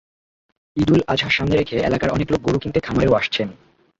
ঈদুল আজহা সামনে রেখে এলাকার অনেক লোক গরু কিনতে খামারেও আসছেন।